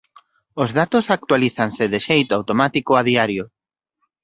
Os datos actualízanse de xeito automático a diario.